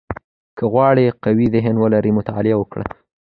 • که غواړې قوي ذهن ولرې، مطالعه وکړه.